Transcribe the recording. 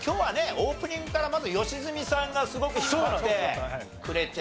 オープニングからまず良純さんがすごく引っ張ってくれて。